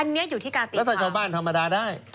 อันนี้อยู่ที่การเตรียมแล้วถ้าชาวบ้านธรรมดาได้